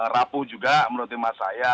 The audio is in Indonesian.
rapuh juga menurut emak saya